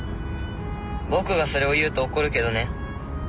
僕がそれを言うと怒るけどね。